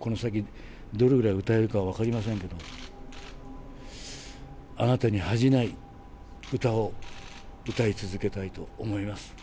この先、どれぐらい歌えるか分かりませんけれども、あなたに恥じない歌を歌い続けたいと思います。